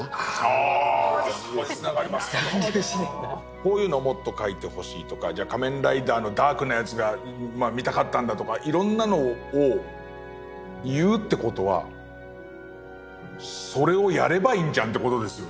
こういうのをもっと描いてほしいとかじゃあ「仮面ライダー」のダークなやつがまあ見たかったんだとかいろんなのを言うって事はそれをやればいいんじゃんって事ですよね。